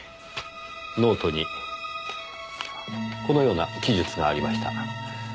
ノートにこのような記述がありました。